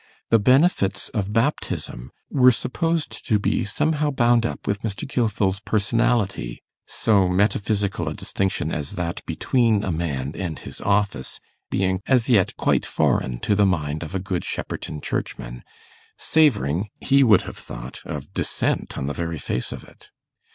The benefits of baptism were supposed to be somehow bound up with Mr. Gilfil's personality, so metaphysical a distinction as that between a man and his office being, as yet, quite foreign to the mind of a good Shepperton Churchman, savouring, he would have thought, of Dissent on the very face of it.